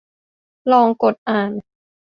ลองกดอ่าน